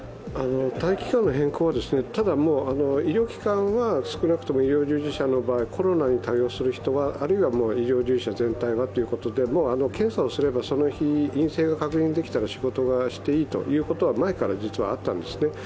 待機期間の変更は、医療機関は少なくとも医療従事者の場合、コロナに対応する人、あるいは医療従事者全体はということで検査をすれば、その日、陰性が確認できたら仕事はしていいと前から実はあったんですね。